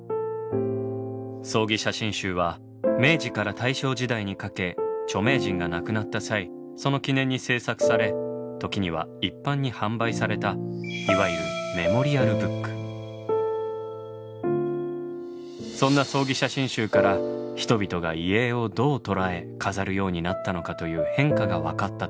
葬儀写真集は明治から大正時代にかけ著名人が亡くなった際その記念に制作され時には一般に販売されたいわゆるそんな葬儀写真集から人々が遺影をどう捉え飾るようになったのかという変化がわかったといいます。